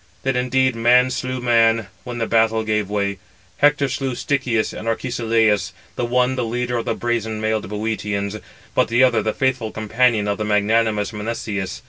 Then indeed man slew man, when the battle gave way. Hector slew Stichius and Arcesilaus; the one the leader of the brazen mailed Bœotians; but the other the faithful companion of magnanimous Menestheus.